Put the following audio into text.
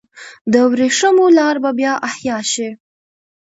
د ورېښمو لار به بیا احیا شي؟